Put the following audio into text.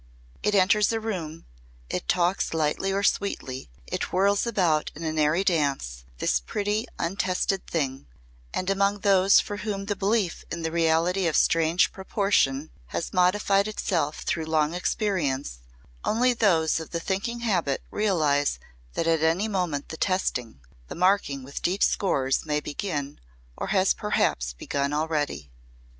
It enters a room, it talks lightly or sweetly, it whirls about in an airy dance, this pretty untested thing; and, among those for whom the belief in the reality of strange proportions has modified itself through long experience, only those of the thinking habit realise that at any moment the testing the marking with deep scores may begin or has perhaps begun already.